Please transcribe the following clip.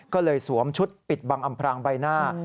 ก็เลยสวมชุดปิดบังอำพรางใบหน้า